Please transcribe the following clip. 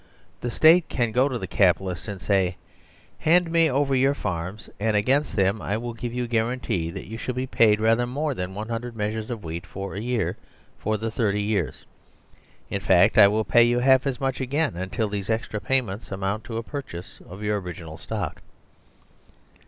The State can go to the Capitalists and say :" Hand me over your farms, and against them I will give you guarantee that you shall be paid rather more than 100 measures of wheat a year for the thirty years. In fact, I will pay you half as much again until these extra payments amount to a purchase of your original stock."